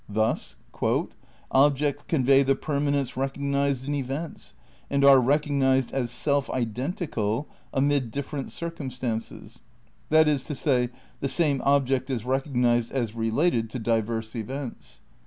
Thus : "Objects convey the permanence recognised in events and are recognised as self identical amid different circumstances; that is to say, the same object is recognised as related to diverse events.